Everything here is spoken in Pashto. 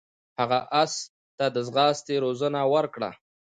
هغه اس ته د ځغاستې روزنه ورکړه.